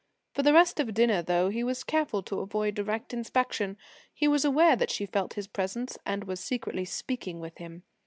For the rest of dinner, though he was careful to avoid direct inspection, he was aware that she felt his presence and was secretly speaking with him.